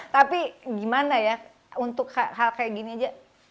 tapi gimana ya untuk hal kayak gini aja